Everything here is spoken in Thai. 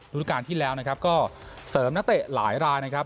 รูปการณ์ที่แล้วนะครับก็เสริมนักเตะหลายรายนะครับ